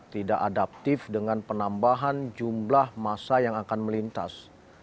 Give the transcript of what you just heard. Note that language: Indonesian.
tidak adaptif dengan penambahan jumlah masa yang akan melintas